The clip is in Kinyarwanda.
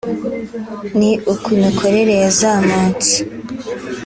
ni uko imikorere yazamutse